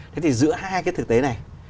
thế thì giữa hai cái thực tế này